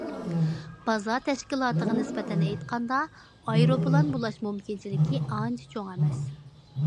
‹‹ بازا›› تەشكىلاتىغا نىسبەتەن ئېيتقاندا، ئايروپىلان بۇلاش مۇمكىنچىلىكى ئانچە چوڭ ئەمەس.